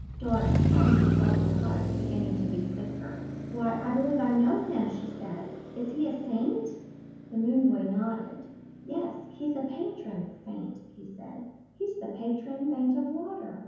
Doris suddenly felt her heart beginning to beat quicker. "Why, I believe I know him!" she said. "Is he a saint?" The moon boy nodded. "Yes, he's a patron saint," he said. "He's the patron saint of water."